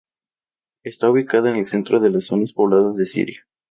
Está ubicada en el centro de las zonas pobladas de Siria.